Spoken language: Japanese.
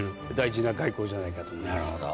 なるほど。